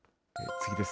次です。